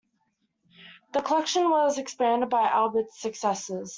The collection was expanded by Albert's successors.